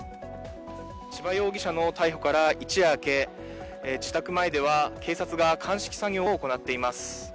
千葉容疑者の逮捕から一夜明け自宅前では警察が鑑識作業を行っています。